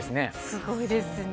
すごいですね。